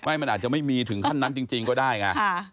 ไม่มันอาจจะไม่มีถึงขั้นนั้นจริงก็ได้ไง